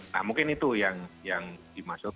nah mungkin itu yang dimaksud